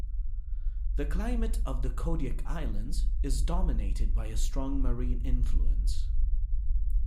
The climate of the Kodiak Islands is dominated by a strong marine influence.